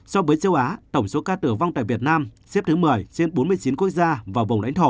so với thế giới tổng số ca tử vong tại việt nam xếp thứ ba mươi bốn trên hai trăm hai mươi ba quốc gia và vùng lãnh thổ